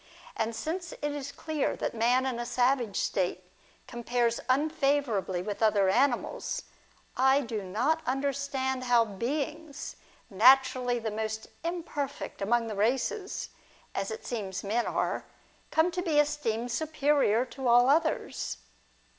And, since it is clear that man in a savage state compares unfavour ably with other animals, I do not understand how beings, naturally the most imperfect among the races, as it seems men are, come to be esteemed superior to all others.